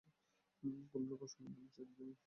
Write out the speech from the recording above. কোনো রকম সম্বোধন চিঠিতে নেই।